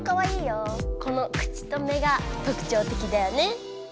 この口と目がとくちょうてきだよね。